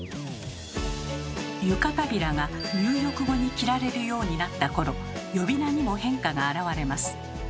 湯帷子が入浴後に着られるようになった頃呼び名にも変化があらわれます。